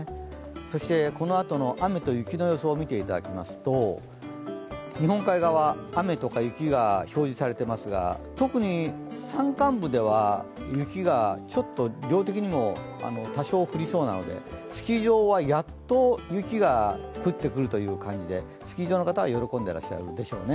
そして、このあとの雨と雪の予想を見ていただきますと、日本海側、雨とか雪が表示されていますが特に山間部では雪がちょっと量的にも多少降りそうなのでスキー場はやっと雪が降ってくるという感じで、スキー場の方は喜んでいるでしょうね。